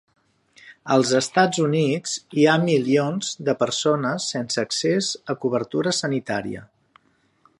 Als Estats Units, hi ha milions de persones sense accés a cobertura sanitària.